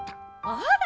あら！